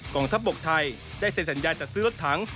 กองทัพบกไทยได้เซ็นสัญญาจัดซื้อรถถัง